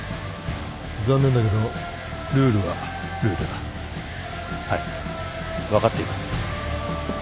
残念だけどルールはルールだ。はい分かっています。